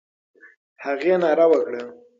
هغې ناره وکړه.